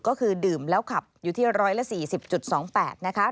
ก็คือดื่มแล้วขับอยู่ที่๑๔๐๒๘นะคะ